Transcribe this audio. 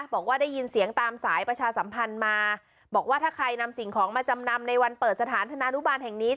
บอกว่าได้ยินเสียงตามสายประชาสัมพันธ์มาบอกว่าถ้าใครนำสิ่งของมาจำนำในวันเปิดสถานธนานุบาลแห่งนี้